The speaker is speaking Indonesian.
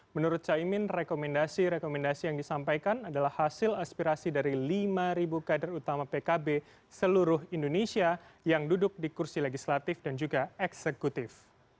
menurut caimin rekomendasi rekomendasi yang disampaikan adalah hasil aspirasi dari lima kader utama pkb seluruh indonesia yang duduk di kursi legislatif dan juga eksekutif